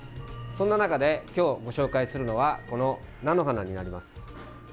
そんな中で今日ご紹介するのはこの菜の花になります。